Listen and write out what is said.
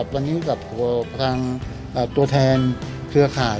วันนี้กับทางตัวแทนเครือข่าย